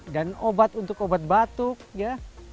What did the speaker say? dan obat untuk obat batuk ya